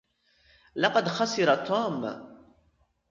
لقد خَسِرَ توم.